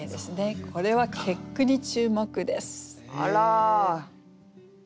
これは結句に注目です。